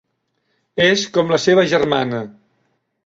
És com la seva germana.